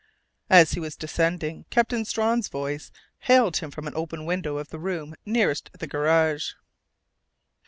As he was descending Captain Strawn's voice hailed him from an open window of the room nearest the garage.